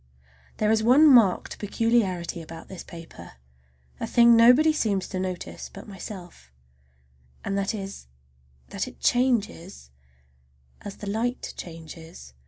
There is one marked peculiarity about this paper, a thing nobody seems to notice but myself, and that is that it changes as the light changes.